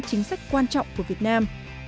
chính sách quan trọng của việt nam